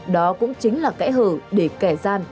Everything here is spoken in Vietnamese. đó cũng chính là cãi hở để kẻ gian